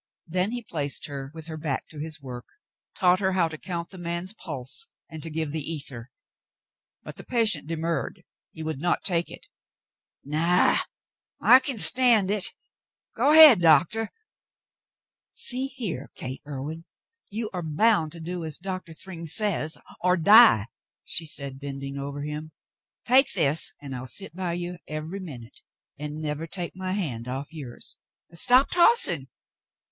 Then he placed her with her back to his work, taught her how to count the man's pulse and to give the ether; but the patient demurred. He would not take it. "Naw, I kin stand hit. Go ahead. Doctor." "See here. Gate Irwin. You are bound to do as Doctor Thryng says or die," she said, bending over him. "Take this, and I'll sit by you every minute and never take my hand off yours. Stop tossing.